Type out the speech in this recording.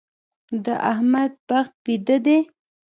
د احمد بخت ويده دی.